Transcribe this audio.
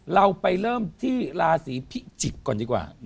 เราไปเริ่มที่ราศีพิจิกษ์ก่อนดีกว่า